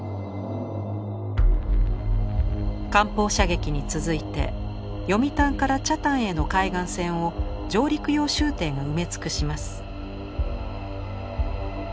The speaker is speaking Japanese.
艦砲射撃に続いて読谷から北谷への海岸線を上陸用舟艇が埋め尽くします。